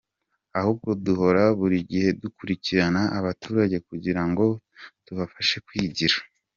Ahubwo duhora buri gihe dukurikirana abaturage kugira ngo tubafashe kwigira.